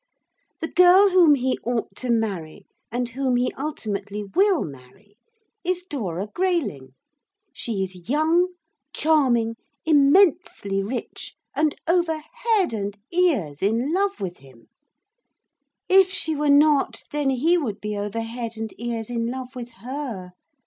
The girl whom he ought to marry, and whom he ultimately will marry, is Dora Grayling. She is young, charming, immensely rich, and over head and ears in love with him; if she were not, then he would be over head and ears in love with her.